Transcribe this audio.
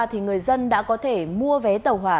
thì người dân đã có thể mua vé tàu hỏa